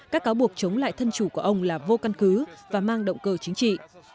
các cáo buộc chống lại thân chủ của ông là vô căn cứ và mang động cơ chính trị